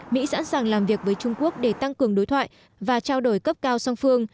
mỹ sẵn sàng làm việc với trung quốc để tăng cường đối thoại và trao đổi cấp cao song phương